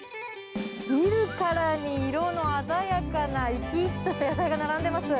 見るからに色の鮮やかな生き生きとした野菜が並んでます。